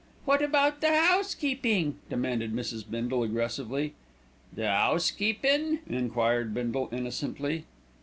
"What about the housekeeping?" demanded Mrs. Bindle aggressively. "The 'ousekeepin'?" enquired Bindle innocently.